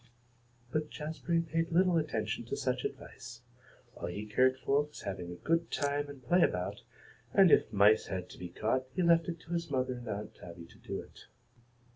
But Jazbury paid little attention to such advice. All he cared for was having a good time and play about, and if mice had to be caught he left it to his mother and Aunt Tabby to do it.